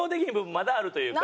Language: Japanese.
まだあるというか。